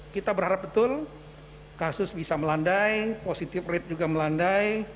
kita berharap betul kasus bisa melandai positive rate juga melandai